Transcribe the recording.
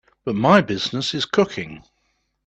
But my business is cooking.